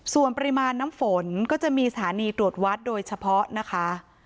ส่วนปริมาณน้ำฝนก็จะมีสถานีตรวจวัดโดยเฉพาะนะคะ